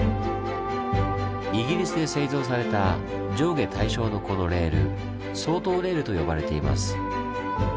イギリスで製造された上下対称のこのレール「双頭レール」と呼ばれています。